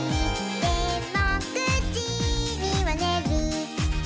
「でも９じにはねる」